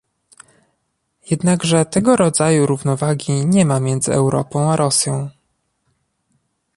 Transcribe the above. Jednakże tego rodzaju równowagi nie ma między Europą a Rosją